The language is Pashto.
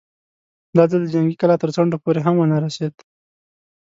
دا ځل د جنګي کلا تر څنډو پورې هم ونه رسېد.